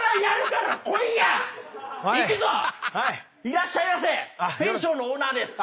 いらっしゃいませ。